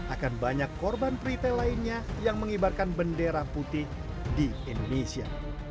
akan banyak korban peritel lainnya yang mengibarkan bendera putih di indonesia